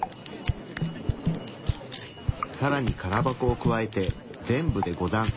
さらに空箱を加えて全部で５段。